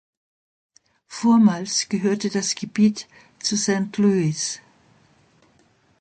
Vormals gehörte das Gebiet zu Saint-Louis.